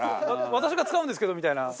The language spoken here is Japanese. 「私が使うんですけど」みたいな。